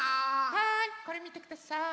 はいこれみてください。